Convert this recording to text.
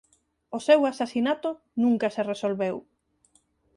O seu asasinato nunca se resolveu.